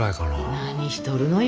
何しとるのよ。